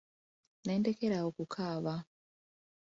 Ne ndekera awo okukaaba.